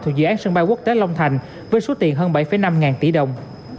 thuộc dự án sân bay quốc tế long thành với số tiền hơn bảy năm ngàn tỷ đồng